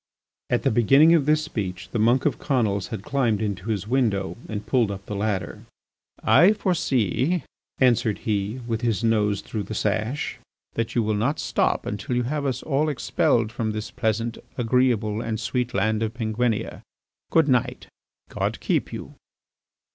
At the beginning of this speech the monk of Conils had climbed into his window and pulled up the ladder. "I foresee," answered he, with his nose through the sash, "that you will not stop until you have us all expelled from this pleasant, agreeable, and sweet land of Penguinia. Good night; God keep you!"